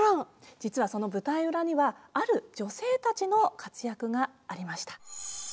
実はその舞台裏にはある女性たちの活躍がありました。